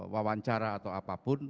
wawancara atau apapun